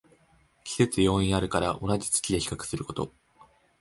季節要因あるから同じ月で比較すること